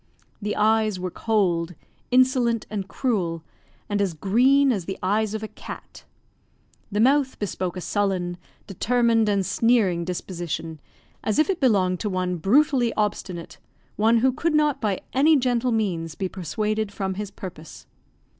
The eyes were cold, insolent, and cruel, and as green as the eyes of a cat. The mouth bespoke a sullen, determined, and sneering disposition, as if it belonged to one brutally obstinate, one who could not by any gentle means be persuaded from his purpose.